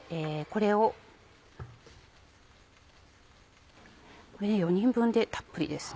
これで４人分でたっぷりです。